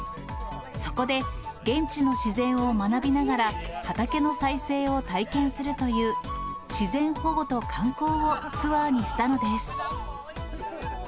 そこで現地の自然を学びながら、畑の再生を体験するという、自然保護と観光をツアーにしたのです。